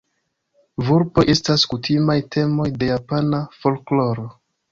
Vulpoj estas kutimaj temoj de japana folkloro.